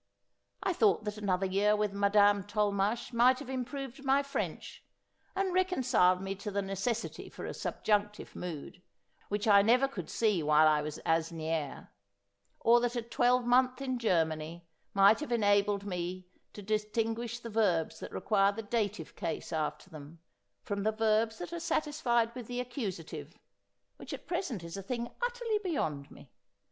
I thought that another year with Madame Tolmache might have improved my French, and reconciled me to the necessity for a subjunctive mood, which I never could see while I was at Asnieres ; or that a twelvemonth in Germany might have en abled me to distinguish the verbs that require the dative case after them, from the verbs that are satisfied with the accusa tive, which at present is a thing utterly beyond me.